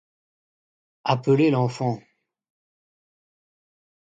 Appelez l'enfant.